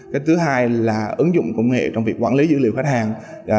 cái thứ hai là ứng dụng công nghệ trong việc quản lý dữ liệu khách hàng